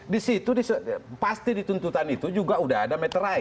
di situ pasti di tuntutan itu juga udah ada materai